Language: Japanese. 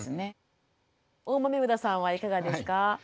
大豆生田さんはいかがですか？